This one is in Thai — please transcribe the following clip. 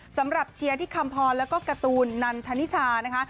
เชียร์ที่คำพรแล้วก็การ์ตูนนันทนิชานะคะ